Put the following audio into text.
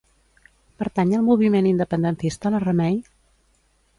Pertany al moviment independentista la Remei?